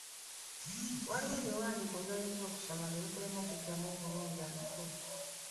Waliwo ebiwandiiko by'oyinza okusoma ne bikulema okuggyamu obulungi amakulu.